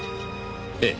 ええ。